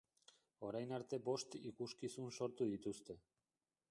Orain arte bost ikuskizun sortu dituzte.